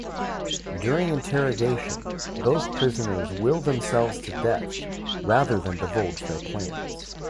During interrogation, both prisoners will themselves to death rather than divulge their plans.